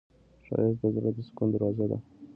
ښایست د زړه د سکون دروازه ده